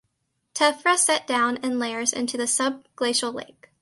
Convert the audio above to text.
Tephra set down in layers into the subglacial lake.